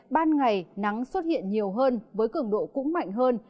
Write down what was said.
ban ngày nắng xuất hiện nhiều hơn với cường độ cũng mạnh hơn